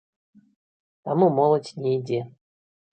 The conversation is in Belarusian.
Таму моладзь не ідзе.